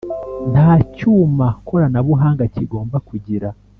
Nta cyuma koranabuhanga kigomba kugira